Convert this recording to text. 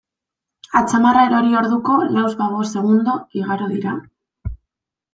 Atzamarra erori orduko, lauzpabost segundo igaro dira?